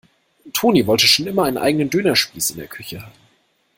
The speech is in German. Toni wollte schon immer einen eigenen Dönerspieß in der Küche haben.